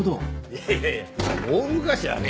いやいやいやいや大昔はね